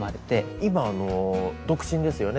今独身ですよね？